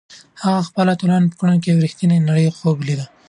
هغه د خپلو اتلانو په کړنو کې د یوې رښتیانۍ نړۍ خوب لیده.